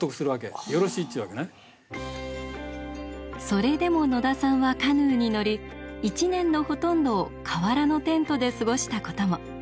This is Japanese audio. それでも野田さんはカヌーに乗り一年のほとんどを川原のテントで過ごしたことも。